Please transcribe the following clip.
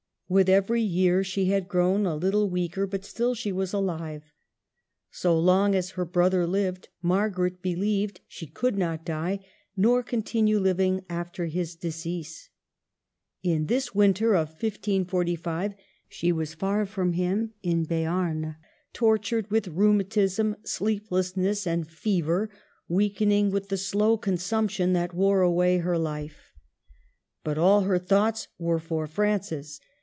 With every year she had grown a little weaker, but still she was alive. So long as her brother lived, Margaret believed she could not die, nor continue living after his decease. In this winter of 1545 she was far from him in Beam, tortured with rheumatism, sleeplessness, and fever, weak ening with the slow consumption that wore away her life ; but all her thoughts were for Francis.